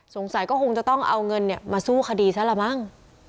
สงสัยก็คงจะต้องเอาเงินมาสู้คดีซะละมั้ง